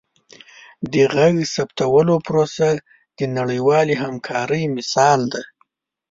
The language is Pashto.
د غږ ثبتولو پروسه د نړیوالې همکارۍ مثال دی.